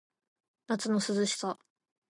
夏の淋しさ